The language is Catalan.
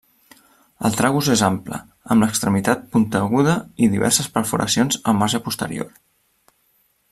El tragus és ample, amb l'extremitat punteguda i diverses perforacions al marge posterior.